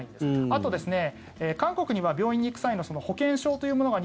あと、韓国には病院に行く際の保険証というものが